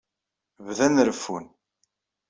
Bdan reffun.